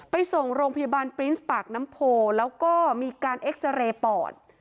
ไปส่งโรงพยาบาลปรินส์ปากน้ำโพแล้วก็มีการเอ็กซาเรย์ปอด